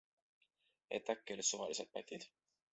Et äkki olid suvalised pätid?